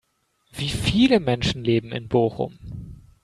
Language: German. Wie viele Menschen leben in Bochum?